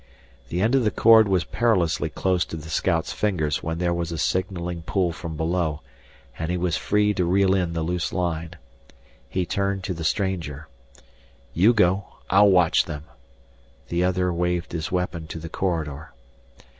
The end of the cord was perilously close to the scout's fingers when there was a signaling pull from below, and he was free to reel in the loose line. He turned to the stranger. "You go. I'll watch them." The other waved his weapon to the corridor.